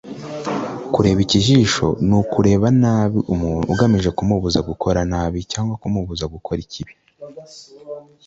Kureba ikijisho n' ukureba nabi umuntu, ugamije kumubuza gukora nabi, cyangwa kumubuza gukora ikibi.